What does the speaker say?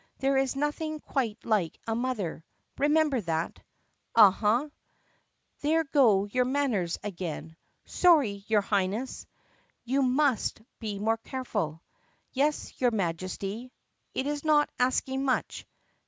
There is nothing quite like a mother. Remember that." "Uh huh." "There go your manners again." "Sorry, your Highness." "You must be more careful." "Yes, your Majesty." "It is not asking much."